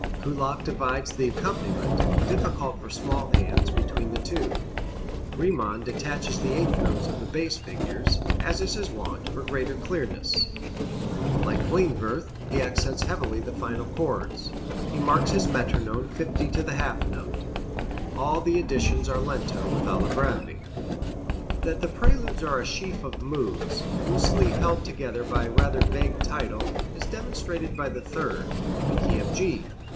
Kullak divides the accompaniment, difficult for small hands, between the two. Riemann detaches the eighth notes of the bass figures, as is his wont, for greater clearness. Like Klindworth, he accents heavily the final chords. He marks his metronome 50 to the half note. All the editions are lento with alla breve. That the Preludes are a sheaf of moods, loosely held together by the rather vague title, is demonstrated by the third, in the key of G.